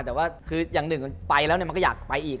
แต่ว่าคืออย่างหนึ่งไปแล้วมันก็อยากไปอีก